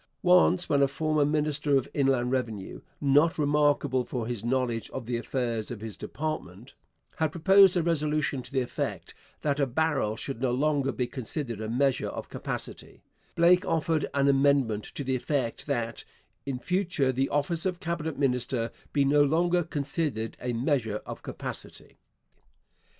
Once, when a former minister of Inland Revenue, not remarkable for his knowledge of the affairs of his department, had proposed a resolution to the effect that a barrel should no longer be considered a measure of capacity, Blake offered an amendment to the effect that 'in future the office of Cabinet minister be no longer considered a measure of capacity!'